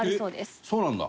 えっそうなんだ。